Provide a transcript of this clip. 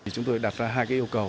chúng tôi đặt ra hai yêu cầu